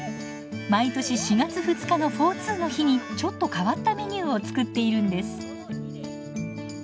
毎年４月２日のフォーツーの日にちょっと変わったメニューを作っているんです。